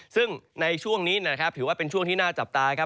ซึ่งในช่วงนี้นะครับถือว่าเป็นช่วงที่น่าจับตาครับ